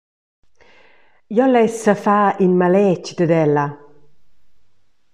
Jeu less sefar in maletg dad ella.